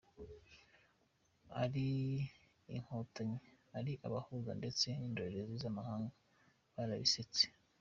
Ari Inkotanyi, ari abahuza ndetse n’indorerezi z’amahanga, barabisetse.